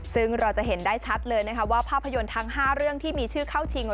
ซึ่งเราจะเห็นได้ชัดเลยนะคะว่าภาพยนตร์ทั้ง๕เรื่องที่มีชื่อเข้าชิง